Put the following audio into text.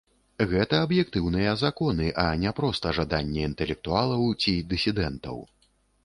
Гэта аб'ектыўныя законы, а не проста жаданне інтэлектуалаў ці дысідэнтаў.